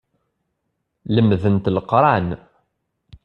Lemdent Leqran.